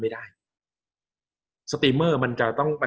กับการสตรีมเมอร์หรือการทำอะไรอย่างเงี้ย